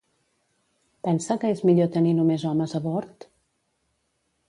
Pensa que és millor tenir només homes a bord?